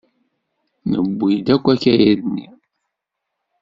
Newwi-d akk akayad-nni.